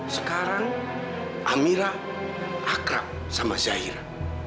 sekarang amirah akrab sama jaira